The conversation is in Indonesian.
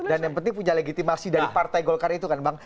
dan yang penting punya legitimasi dari partai golkar itu kan bang